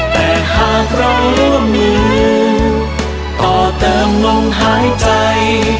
แต่หากเราร่วมมือต่อเติมลมหายใจ